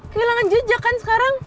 kehilangan jejak kan sekarang